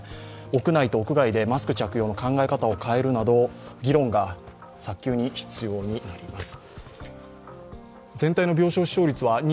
屋内と屋外でマスク着用の考え方を変えるなど議論が早急に必要になります。